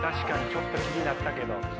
ちょっと気になったけど。